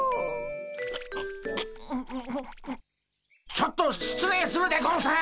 ちょっと失礼するでゴンス！